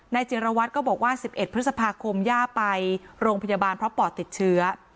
จิรวัตรก็บอกว่า๑๑พฤษภาคมย่าไปโรงพยาบาลเพราะปอดติดเชื้อ